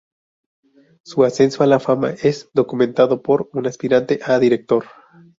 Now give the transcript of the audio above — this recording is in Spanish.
Su ascenso a la fama es documentado por un aspirante a director.